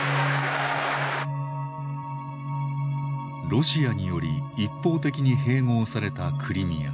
ロシアにより一方的に併合されたクリミア。